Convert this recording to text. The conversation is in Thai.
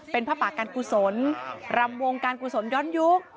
เป็นผ้าป่าการกุศลรำวงการกุศลย้อนยุค